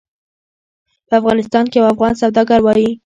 په افغانستان کې یو افغان سوداګر وایي.